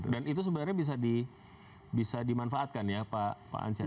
dan itu sebenarnya bisa dimanfaatkan ya pak anca